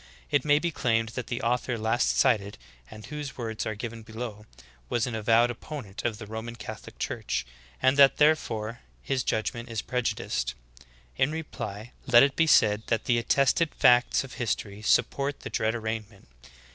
It may be claimed that the author last cited, and whose words are given below, was an avowed opponent of the Ro man Catholic Church, and that, therefore, his judgment is prejudiced; in reply let it be said that the attested facts of history support the dread arraignment.